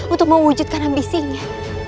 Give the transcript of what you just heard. untuk mewujudkan ambisinya